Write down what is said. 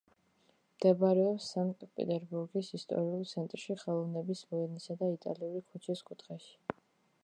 მდებარეობს სანქტ-პეტერბურგის ისტორიულ ცენტრში ხელოვნების მოედნისა და იტალიური ქუჩის კუთხეში.